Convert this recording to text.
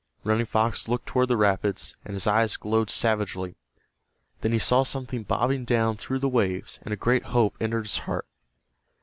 Running Fox looked toward the rapids, and his eyes glowed savagely. Then he saw something bobbing down through the waves, and a great hope entered his heart.